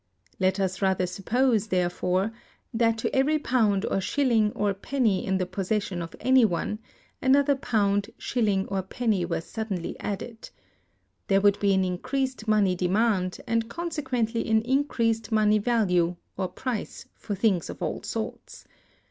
Let us rather suppose, therefore, that to every pound, or shilling, or penny in the possession of any one, another pound, shilling, or penny were suddenly added. There would be an increased money demand, and consequently an increased money value, or price, for things of all sorts.